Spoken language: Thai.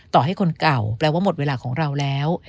ต่อให้คนเก่าแปลว่าหมดเวลาของเราแล้ว